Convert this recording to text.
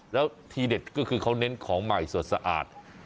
แล้วทีเด็ดก็คือเขาเน้นของใหม่สดสะอาด